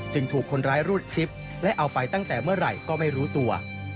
ถูกคนร้ายรูดซิปและเอาไปตั้งแต่เมื่อไหร่ก็ไม่รู้ตัว